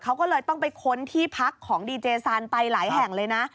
เขาก็เลยต้องไปค้นที่พักของดีเจซานไปหลายแห่งเลยนะ